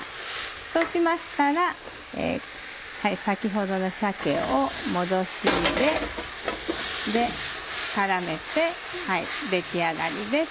そうしましたら先ほどの鮭を戻し入れ絡めて出来上がりです。